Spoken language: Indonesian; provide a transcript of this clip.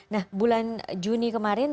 nah bulan juni kemarin